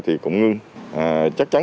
thì cũng ngưng chắc chắn